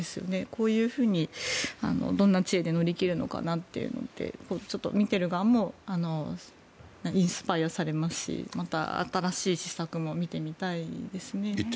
こういうふうにどんな知恵で乗り切るのかなってちょっと見ている側もインスパイアされますしまた新しい施策も見てみたいですね。